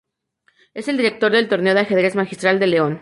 Es el director del Torneo de Ajedrez Magistral de León.